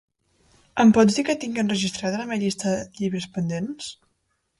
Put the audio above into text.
Em pots dir què tinc enregistrat a la meva llista de llibres pendents?